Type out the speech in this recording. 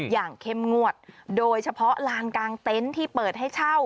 อย่างเข้มงวดโดยเฉพาะลานกลางเต็นต์ที่เปิดให้เช่า